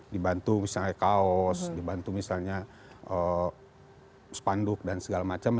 dibantu misalnya kaos dibantu misalnya spanduk dan segala macam